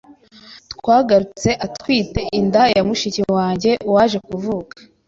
Twagarutse atwite inda ya mushiki wanjye waje kuvuka